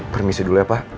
permisi dulu ya pak